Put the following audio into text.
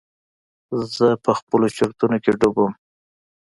زه په خپلو چورتونو کښې ډوب وم.